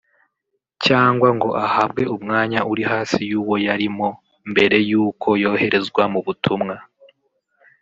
cyangwa ngo ahabwe umwanya uri hasi y’uwo yarimo mbere y’uko yoherezwa mu butumwa